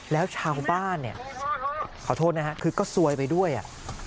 แล้วชาวบ้านเนี่ยขอโทษนะฮะคือก็ซวยไปด้วยอ่ะ